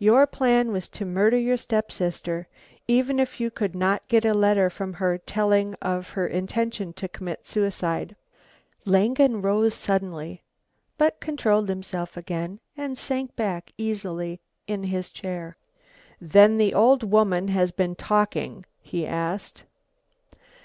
Your plan was to murder your step sister, even if you could not get a letter from her telling of her intention to commit suicide." Langen rose suddenly, but controlled himself again and sank back easily in his chair. "Then the old woman has been talking?" he asked.